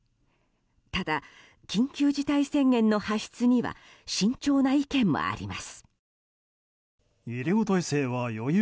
ただ、緊急事態宣言の発出には慎重な意見もあります。